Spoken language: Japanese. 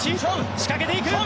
仕掛けていく！